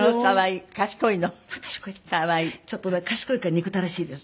ちょっとね賢いから憎たらしいです。